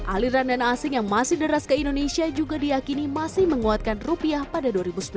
aliran dana asing yang masih deras ke indonesia juga diakini masih menguatkan rupiah pada dua ribu sembilan belas